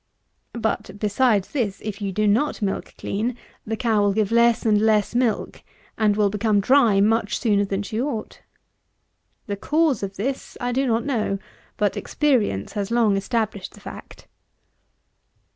But, besides this, if you do not milk clean, the cow will give less and less milk, and will become dry much sooner than she ought. The cause of this I do not know, but experience has long established the fact.